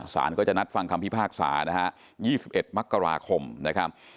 สารก็จะนัดฟังคำพิพากษานะฮะ๒๑มกราคมนะครับ